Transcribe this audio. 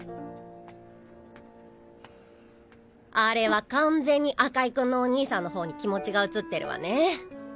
あれは完全に赤井君のお兄さんのほうに気持ちが移ってるわね。